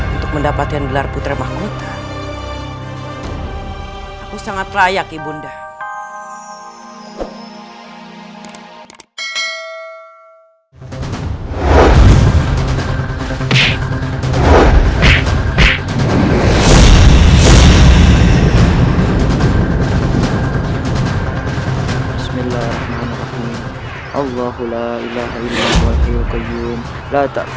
untuk mendapatkan gelar putra mahkota